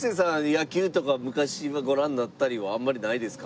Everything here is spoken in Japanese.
野球とか昔はご覧になったりはあんまりないですか？